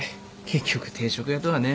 結局定食屋とはね。